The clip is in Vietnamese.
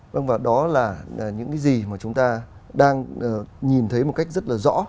vâng và đó là những cái gì mà chúng ta đang nhìn thấy một cách rất là rõ